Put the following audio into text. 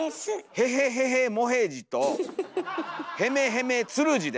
「へへへへもへじ」と「へめへめつるじ」です。